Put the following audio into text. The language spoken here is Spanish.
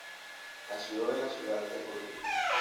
Nació en la ciudad de Colima.